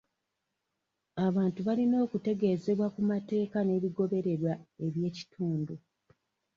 Abantu balina okutegeezebwa ku mateeka nebigobererwa eby'ekitundu.